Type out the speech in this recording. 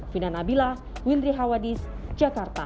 vina nabilah windri hawadis jakarta